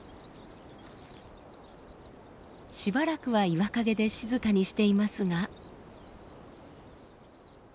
しばらくは岩陰で静かにしていますが。